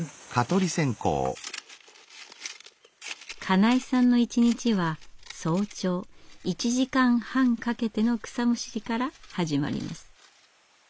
金井さんの一日は早朝１時間半かけての草むしりから始まります。